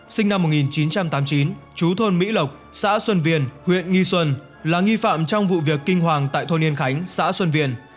sinh năm một nghìn chín trăm tám mươi chín chú thôn mỹ lộc xã xuân viên huyện nghi xuân là nghi phạm trong vụ việc kinh hoàng tại thôn yên khánh xã xuân việt